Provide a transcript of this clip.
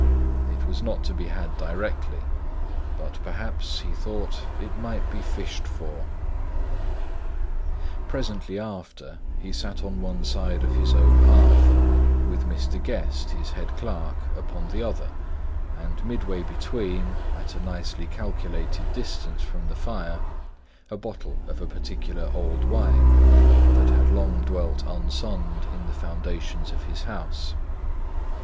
It was not to be had directly; but perhaps, he thought, it might be fished for. Presently after, he sat on one side of his own hearth, with Mr. Guest, his head clerk, upon the other, and midway between, at a nicely calculated distance from the fire, a bottle of a particular old wine that had long dwelt unsunned in the foundations of his house.